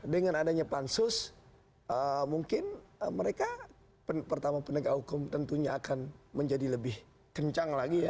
dengan adanya pansus mungkin mereka pertama penegak hukum tentunya akan menjadi lebih kencang lagi ya